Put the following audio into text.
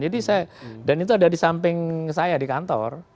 jadi saya dan itu ada di samping saya di kantor